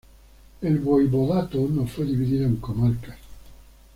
El voivodato no fue dividido en comarcas.